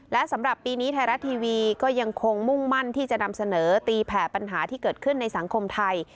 และสำหรับปีนี้ไทยรัฐทีวีก็ยังคงมุ่งมั่นที่จะนำเสนอตีแผ่ปัญหาที่เกิดขึ้นในสังคมไทย